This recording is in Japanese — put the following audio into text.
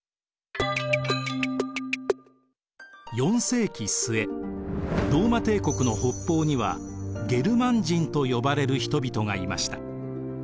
４世紀末ローマ帝国の北方にはゲルマン人と呼ばれる人々がいました。